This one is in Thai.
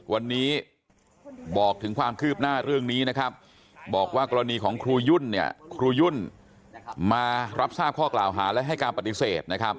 วันนี้บอกถึงความคืบหน้าเรื่องนี้บอกว่ากรณีของครูยุ่นมารับทราบข้อกล่าวหาและให้การปฏิเสธ